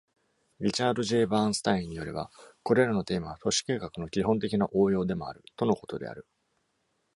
リチャード・ J ・バーンスタインによれば「これらのテーマは都市計画の基本的な応用でもある」とのことである。